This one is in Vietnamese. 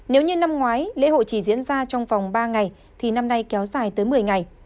nếu như năm ngoái lễ hội chỉ diễn ra trong vòng ba ngày thì năm nay kéo dài tới một mươi ngày